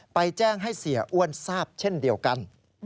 ไปแจ้งให้เสียอ้วนทราบเช่นเดียวกัน